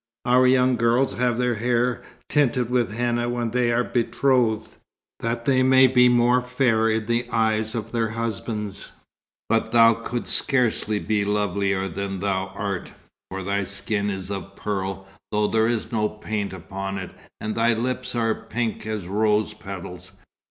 "Our young girls have their hair tinted with henna when they are betrothed, that they may be more fair in the eyes of their husbands. But thou couldst scarcely be lovelier than thou art; for thy skin is of pearl, though there is no paint upon it, and thy lips are pink as rose petals.